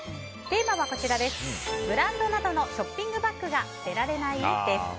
テーマは、ブランドなどのショッピングバッグが捨てられない？です。